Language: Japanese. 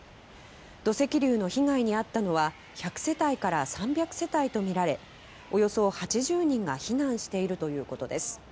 土石流の被害に遭ったのは１００世帯から３００世帯とみられおよそ８０人が避難しているということです。